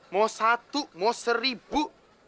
mau satu mau seribu